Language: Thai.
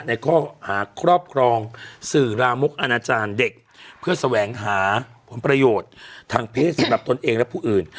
ในข้อหาครอบครองสื่อรามกอนาจารย์เด็กเพื่อแสวงหาผลประโยชน์ทางเพศสำหรับตนเองและผู้อื่น